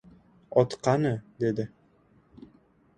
— Ot qani? — dedi.